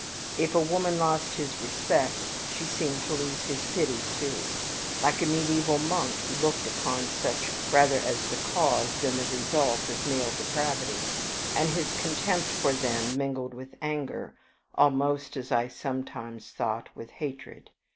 If a woman lost his respect she seemed to lose his pity too. Like a mediaeval monk, he looked upon such rather as the cause than the result of male depravity, and his contempt for them mingled with anger, almost, as I sometimes thought, with hatred.